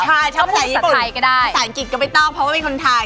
ใช่ชอบภาษาญี่ปุ่นภาษาอังกฤษก็ไม่ต้องเพราะว่าเป็นคนไทย